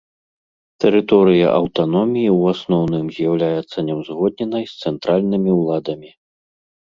Тэрыторыя аўтаноміі ў асноўным з'яўляецца няўзгодненай з цэнтральнымі ўладамі.